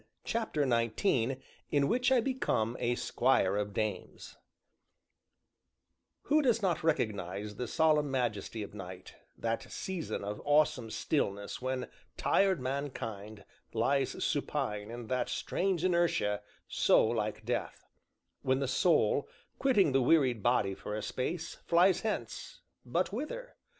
CHAPTER XIX IN WHICH I BECOME A SQUIRE OF DAMES Who does not recognize the solemn majesty of Night that season of awesome stillness when tired mankind lies supine in that strange inertia so like death; when the soul, quitting the wearied body for a space, flies hence but whither?